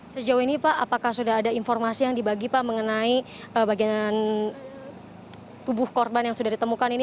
sejauh ini pak apakah sudah ada informasi yang dibagi pak mengenai bagian tubuh korban yang sudah ditemukan ini